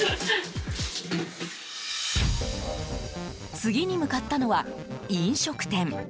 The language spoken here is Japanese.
次に向かったのは飲食店。